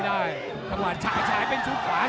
หรือว่าผู้สุดท้ายมีสิงคลอยวิทยาหมูสะพานใหม่